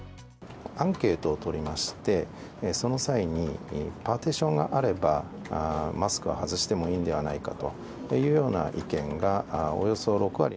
アンケートを取りまして、その際に、パーティションがあれば、マスクを外してもいいんではないかというような意見がおよそ６割。